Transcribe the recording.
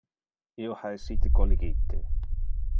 Io ha essite colligite.